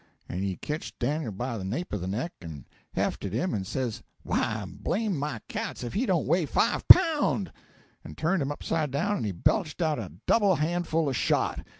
And he ketched Dan'l by the nape of the neck, and hefted him, and says, 'Why, blame my cats if he don't weigh five pound!' and turned him upside down, and he belched out a double handful of shot.